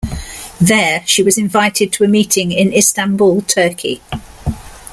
There, she was invited to a meeting in Istanbul, Turkey.